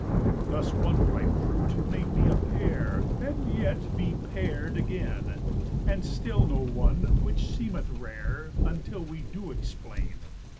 Thus, one ripe fruit may be a pear, and yet be pared again, And still no one, which seemeth rare until we do explain.